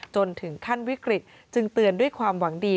จนถึงขั้นวิกฤตจึงเตือนด้วยความหวังดี